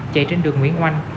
chạy trên đường nguyễn oanh